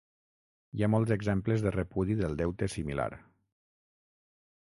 Hi ha molts exemples de repudi del deute similar.